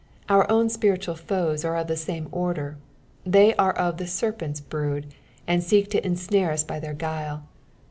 Our own spiritual foes are of the same order — they are of the scrnvut's brood, and seek to ensnare us by their guile.